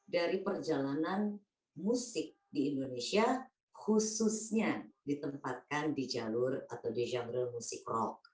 dari perjalanan musik di indonesia khususnya ditempatkan di jalur atau di genre musik rock